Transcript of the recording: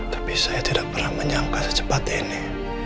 tapi saya tidak pernah menyangka secepat ini